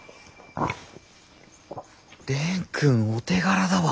蓮くんお手柄だわ。